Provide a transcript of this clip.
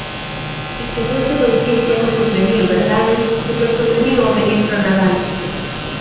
Esqueceuse de dicir quen os suprimiu, ¿verdade?, porque os suprimiu o ministro Nadal.